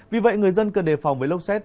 vì vậy người dân cần đề phòng với lốc xét